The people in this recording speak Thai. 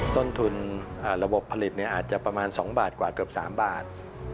ต้นทุนระบบผลิตอาจจะประมาณ๒บาทกว่าเกือบ๓บาท